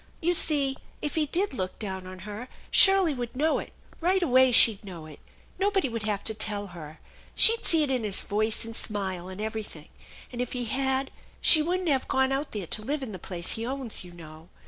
"You see if he did look down on her, Shirley would know it; right away she'd know it. Nobody would have to tell her! She'd see it in his voice and smile and everything. And, if he had, she wouldn't have gone out there THE ENCHANTED BARN 121 to live in the place he owns, you know.